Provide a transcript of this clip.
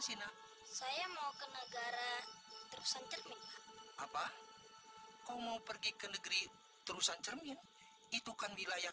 sina saya mau ke negara terusan cermin apa kau mau pergi ke negeri terusan cermin itu kan wilayah